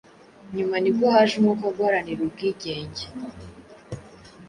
Nyuma ni bwo haje umwuka wo guharanira ubwigenge.